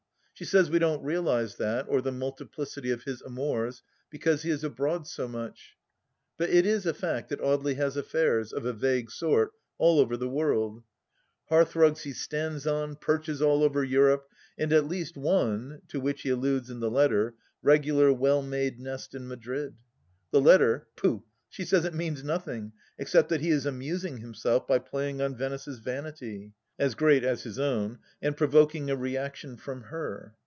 She says we don't realize that, or the multiplicity of his amours, because he is abroad so much. But it is a fact that Audely has affairs, of a vague sort, aU over the world : hearthrugs he stands on, perches all over Europe, and at least one — to which he alludes in the letter — ^regular well made nest in Madrid. The letter — ^pooh ! she says it means nothing except that he is amusing himself by playing on Venice's vanity, as great as his own, and provoking a reaction from her.